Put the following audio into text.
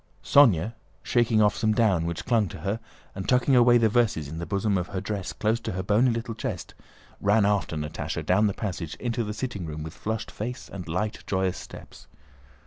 Sónya, shaking off some down which clung to her and tucking away the verses in the bosom of her dress close to her bony little chest, ran after Natásha down the passage into the sitting room with flushed face and light, joyous steps.